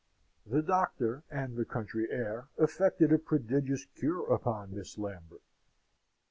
The doctor and the country air effected a prodigious cure upon Miss Lambert.